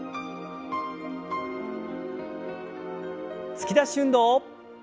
突き出し運動。